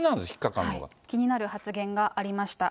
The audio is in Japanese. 気になる発言がありました。